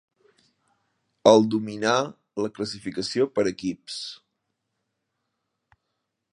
El dominà la classificació per equips.